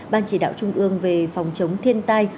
ban chỉ đạo trung ương về phòng chống thiên tai